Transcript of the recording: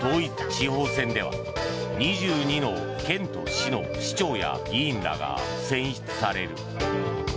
地方選では２２の県と市の首長や議員らが選出される。